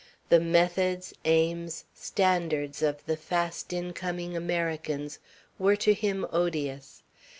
The methods, aims, standards of the fast incoming Americans were to him odious.